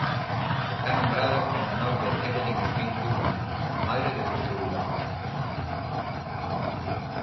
Está nombrado en honor de Evelyn Smith Dugan, madre del descubridor.